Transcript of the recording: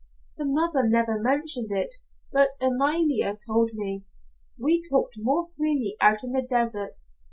"The mother never mentioned it, but Amalia told me. We talked more freely out in the desert.